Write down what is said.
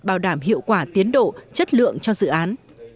bảo đảm hiệu quả tiến độ chất lượng cho dự án